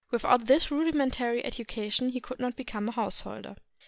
Without this rudimentary education he could not become a householder.